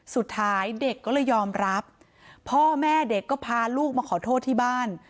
สุดท้ายเด็กก็เลยยอมรับพ่อแม่เด็กก็พาลูกมาขอโทษที่บ้าน